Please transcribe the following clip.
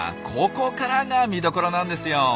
ここからが見どころなんですよ。